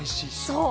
そう。